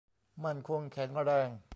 มั่นคงแข็งแรง